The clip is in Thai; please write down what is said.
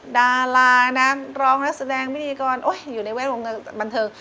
ดารานักร้องนักแสดงไม่มีก่อนอยู่ในเวลาวงการบันเทิง